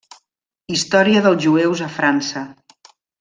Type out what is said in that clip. Història dels jueus a França.